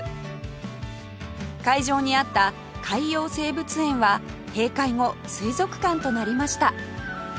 会場にあった海洋生物園は閉会後水族館となりました